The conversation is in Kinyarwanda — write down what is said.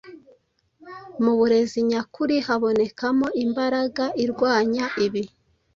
Mu burezi nyakuri, habonekamo imbaraga irwanya ibi